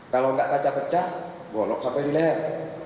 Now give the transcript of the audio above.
kalau gak kaca pecah bolok sampai di leher